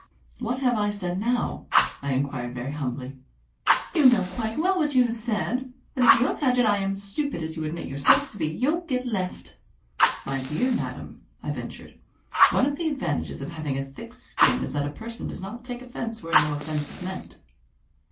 "What have I said now?" I inquired very humbly. "You know quite well what you have said. But if you imagine I am as stupid as you admit yourself to be, you'll get left!" "My dear madam," I ventured; "one of the advantages of having a thick skin is that a person does not take offence where no offence is meant."